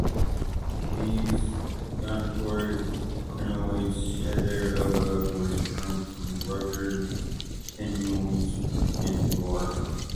These gonochoric crinoids shed their ova or sperm from ruptured pinnules into the water.